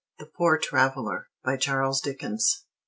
THE POOR TRAVELER. BY CHARLES DICKENS.